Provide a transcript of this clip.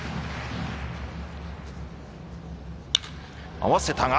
合わせたが。